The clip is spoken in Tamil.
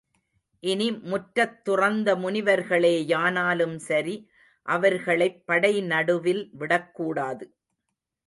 இனி முற்றத் துறந்த முனிவர்களேயானாலும் சரி அவர்களைப் படை நடுவில் விடக் கூடாது.